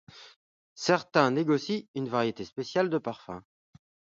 Certains négocient une variété spéciale de parfum.